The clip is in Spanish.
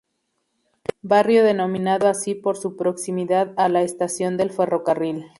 Barrio denominado así por su proximidad a la estación del ferrocarril.